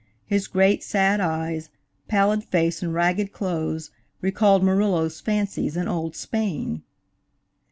His great, sad eyes, pallid face and ragged clothes, recalled Murillo's fancies in old Spain.